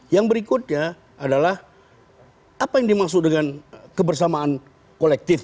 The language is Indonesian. yang berikutnya adalah apa yang dimaksud dengan kebersamaan kolektif